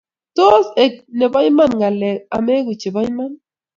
tos ek nebo iman ng'alek amaegu chebo iman